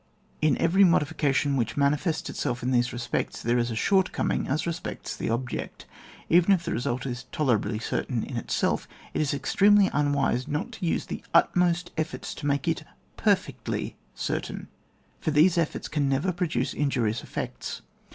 In every modi fication which manifests itself in these respects, there is a shortcoming as re spects the object. Even if the result is tolerably certain in itself, it is extremely imwise not to use the utmost efforts to make \i perfectly certain ; for these efforts can never produce iDJurious effects.